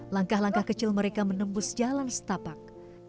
langkah langkah kecil mereka menembus jalan setapak